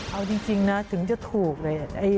เอาจริงนะถึงจะถูกเลย